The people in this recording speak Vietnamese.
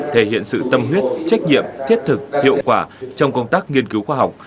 thể hiện sự tâm huyết trách nhiệm thiết thực hiệu quả trong công tác nghiên cứu khoa học